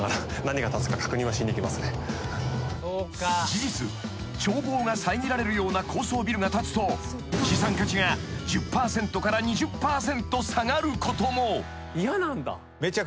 ［事実眺望が遮られるような高層ビルが建つと資産価値が１０％から２０％下がることも］